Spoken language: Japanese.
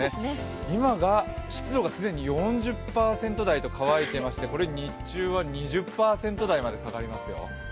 今が湿度が既に４０％台と乾いてましてこれ日中は２０％台まで下がりますよ。